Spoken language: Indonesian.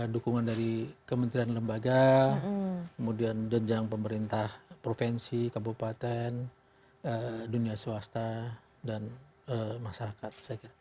dukungan dari kementerian lembaga kemudian jenjang pemerintah provinsi kabupaten dunia swasta dan masyarakat saya kira